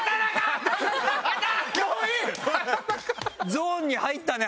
ゾーンに入ったね！